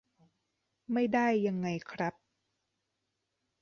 ไม่ได้ยังไงครับ